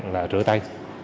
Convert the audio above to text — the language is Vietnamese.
là rửa tay